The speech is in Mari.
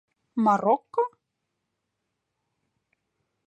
Марокко?